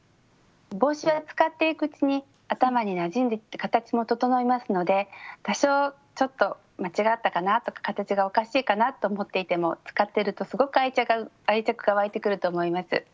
帽子は使っていくうちに頭になじんで形も整いますので多少ちょっと間違ったかなとか形がおかしいかなと思っていても使ってるとすごく愛着が湧いてくると思います。